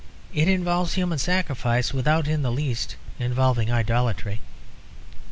It involves human sacrifice without in the least involving idolatry.